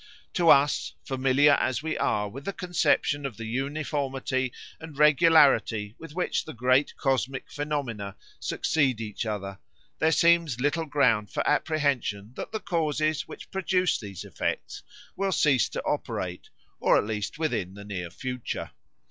To us, familiar as we are with the conception of the uniformity and regularity with which the great cosmic phenomena succeed each other, there seems little ground for apprehension that the causes which produce these effects will cease to operate, at least within the near future.